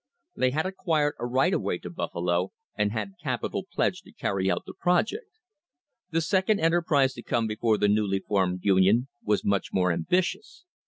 They had acquired a right of way to Buffalo and had capital pledged to carry out the project. The second enterprise to come before the newly formed union was much more ambitious.